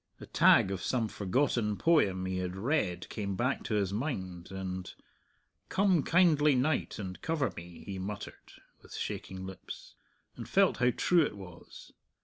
A tag of some forgotten poem he had read came back to his mind, and, "Come, kindly night, and cover me," he muttered, with shaking lips; and felt how true it was.